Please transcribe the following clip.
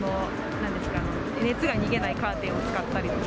なんですか、熱が逃げないカーテンを使ったりとか。